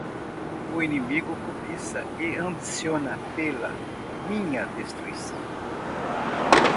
O inimigo cobiça e ambiciona pela minha destruição